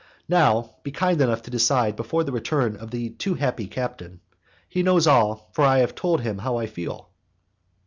Now, be kind enough to decide before the return of the too happy captain. He knows all, for I have told him what I feel."